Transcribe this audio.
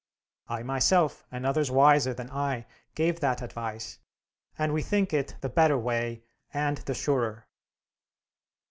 "'I myself, and others wiser than I, gave that advice, and we think it the better way and the surer.'